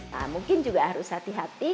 nah mungkin juga harus hati hati